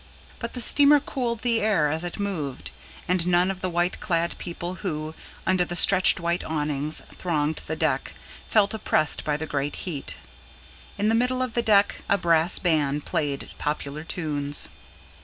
But the steamer cooled the air as it moved; and none of the white clad people who, under the stretched white awnings, thronged the deck, felt oppressed by the great heat. In the middle of the deck, a brass band played popular tunes.